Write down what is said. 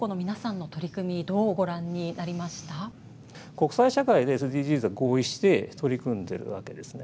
国際社会でＳＤＧｓは合意して取り組んでるわけですね。